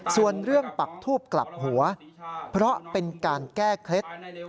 ส่วนเรื่องปักทูบกลับหัวเพราะเป็นการแก้เคล็ด